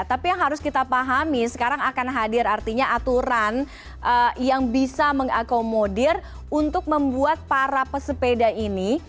tapi yang harus kita pahami sekarang akan hadir artinya aturan yang bisa mengakomodir untuk membuat para pesepeda ini